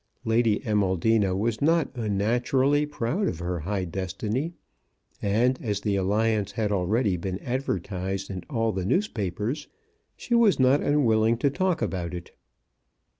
Lady Amaldina was not unnaturally proud of her high destiny, and as the alliance had already been advertised in all the newspapers, she was not unwilling to talk about it.